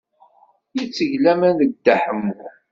Yetteg laman deg Dda Ḥemmu.